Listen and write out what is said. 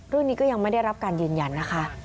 เรื่องนี้ก็ยังไม่ได้รับการยืนยันนะคะ